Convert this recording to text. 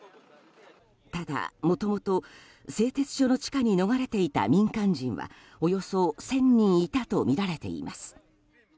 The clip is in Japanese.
ただ、もともと製鉄所の地下に逃れていた民間人はおよそ１０００人いたとみられています。